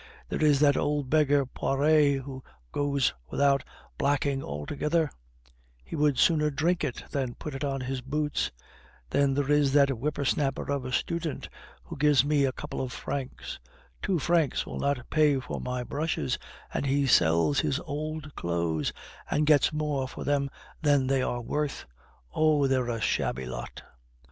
There is that old beggar Poiret, who goes without blacking altogether; he would sooner drink it than put it on his boots. Then there is that whipper snapper of a student, who gives me a couple of francs. Two francs will not pay for my brushes, and he sells his old clothes, and gets more for them than they are worth. Oh! they're a shabby lot!"